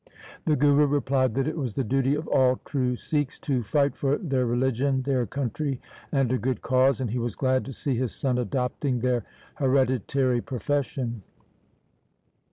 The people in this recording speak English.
The Guru replied that it was the duty of all true Sikhs to fight for their religion, their country, and a good cause, and he was glad to see his son adopting their hereditary profession.